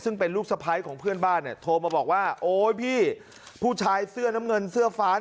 ซึ่งเป็นลูกสะพ้ายของเพื่อนบ้านเนี่ยโทรมาบอกว่าโอ๊ยพี่ผู้ชายเสื้อน้ำเงินเสื้อฟ้า